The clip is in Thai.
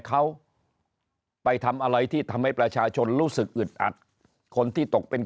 เขาไปทำอะไรที่ทำให้ประชาชนรู้สึกอึดอัดคนที่ตกเป็น